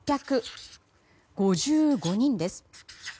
３８５５人です。